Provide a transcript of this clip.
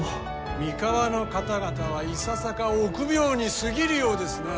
三河の方々はいささか臆病に過ぎるようですなあ。